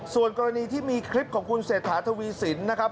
ส่วนกรณีที่มีคลิปของคุณเศรษฐาทวีสินนะครับ